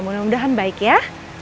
mudah mudahan baik ya